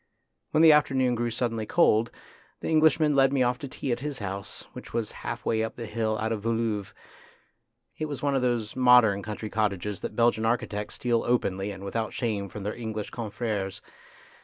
When the afternoon grew suddenly cold, the Englishman led me off to tea at his house, which was half way up the hill out of Woluwe. It was one of those modern country cottages that Belgian architects steal openly and with out shame from their English confreres.